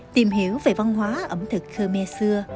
tìm hiểu về văn hóa ẩm thực khmer xưa